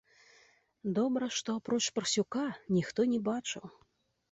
Добра, што, апроч парсюка, ніхто не бачыў.